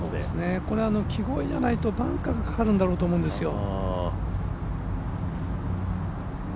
木越えじゃないとバンカーかかるんだろうと思うんですよ。